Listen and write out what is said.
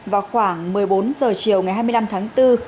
vào khoảng một mươi bốn h chiều ngày hai mươi năm tháng bốn